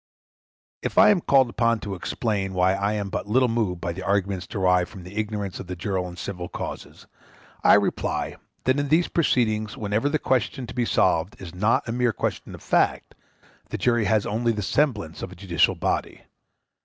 If I am called upon to explain why I am but little moved by the arguments derived from the ignorance of jurors in civil causes, I reply, that in these proceedings, whenever the question to be solved is not a mere question of fact, the jury has only the semblance of a judicial body.